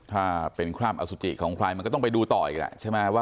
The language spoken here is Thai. ถ้าเป็นคราบอสุจิของใครมันก็ต้องไปดูต่ออีกแล้ว